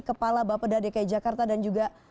kepala bapeda dki jakarta dan juga